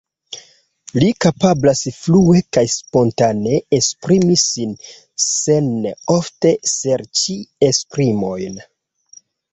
Li kapablas flue kaj spontane esprimi sin, sen ofte serĉi esprimojn.